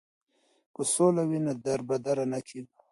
که سوله وي نو دربدره نه کیږي.